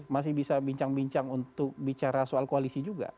masih bisa bincang bincang untuk bicara soal koalisi juga